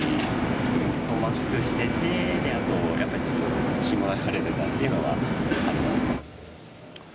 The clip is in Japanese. もう酸素マスクしてて、あと、やっぱりちょっと血も流れてたっていうのがありますね。